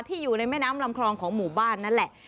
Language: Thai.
อยู่ในแม่น้ำลำคลองของหมู่บ้านนั่นแหละ